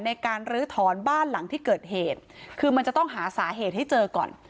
ในการลื้อถอนบ้านหลังที่เกิดเหตุคือมันจะต้องหาสาเหตุให้เจอก่อน